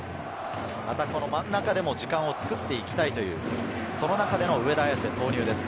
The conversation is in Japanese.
真ん中でも時間を作っていきたいという、その中での上田綺世投入です。